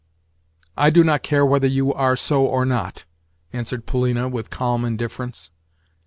"I do not care whether you are so or not," answered Polina with calm indifference.